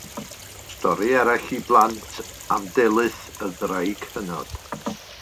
Stori arall i blant am Delyth, y ddraig hynod.